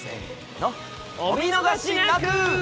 お見逃しなく。